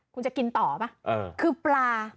คุณจะกินต่อป่ะคือปลา